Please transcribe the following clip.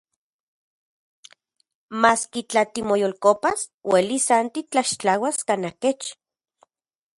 Maski, tla timoyolkopas, uelis san titlaxtlauas kanaj kech.